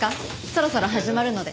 そろそろ始まるので。